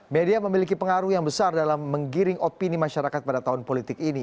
media memiliki pengaruh yang besar dalam menggiring opini masyarakat pada tahun politik ini